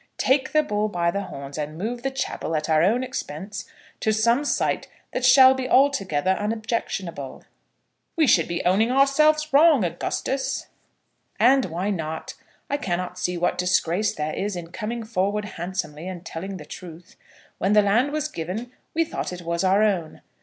"Take the bull by the horns, and move the chapel at our own expense to some site that shall be altogether unobjectionable." "We should be owning ourselves wrong, Augustus." "And why not? I cannot see what disgrace there is in coming forward handsomely and telling the truth. When the land was given we thought it was our own.